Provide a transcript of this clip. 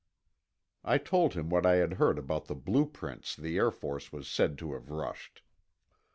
I told him what I had heard about the blueprints the Air Force was said to have rushed.